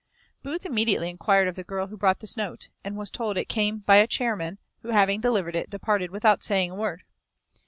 Booth immediately enquired of the girl who brought this note? and was told it came by a chair man, who, having delivered it, departed without saying a word.